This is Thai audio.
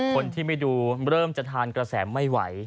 คนที่ไม่ดูเริ่มจะทานกระแสไม่ไหว